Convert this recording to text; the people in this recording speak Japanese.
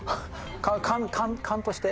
勘として。